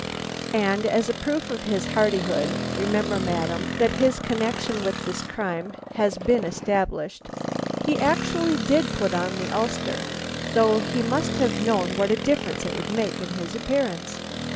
And as a proof of his hardihood remember, madam, that his connection with this crime has been established he actually did put on the ulster, though he must have known what a difference it would make in his appearance.